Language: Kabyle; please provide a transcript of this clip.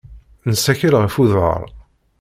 Nessakel ɣef uḍar.